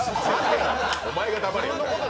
お前が黙れよ。